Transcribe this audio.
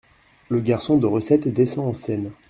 Le garçon de recette descend en scène.